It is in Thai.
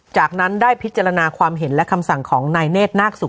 จากนั้นได้พิจารณาความเห็นและคำสั่งของนายเนธนาคสุข